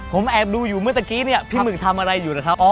ผมแอบดูอยู่เมื่อตะกี้เนี่ยพี่หมึกทำอะไรอยู่นะครับ